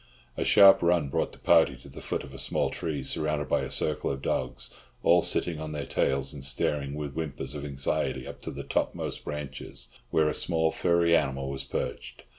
A sharp run brought the party to the foot of a small tree, surrounded by a circle of dogs, all sitting on their tails and staring with whimpers of anxiety up to the topmost branches, where a small furry animal was perched.